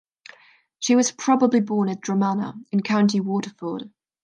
She was probably born at Dromana, in County Waterford.